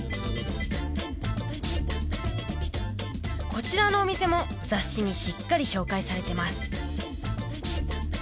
こちらのお店も雑誌にしっかり紹介されてます。